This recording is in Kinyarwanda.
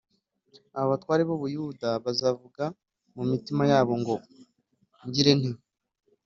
Abatware b u Buyuda bazavuga mu mutima wabo ngo ngirente